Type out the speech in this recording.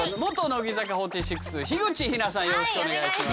よろしくお願いします。